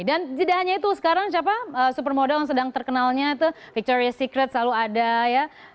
dan tidak hanya itu sekarang siapa supermodel yang sedang terkenalnya itu victoria's secret selalu ada ya